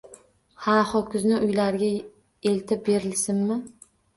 Ha, ho‘kizni uylariga eltib berilsinmi